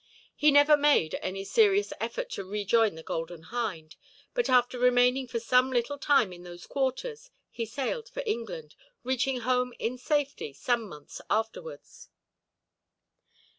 He never made any serious effort to rejoin the Golden Hind; but, after remaining for some little time in those quarters, he sailed for England, reaching home in safety some months afterwards.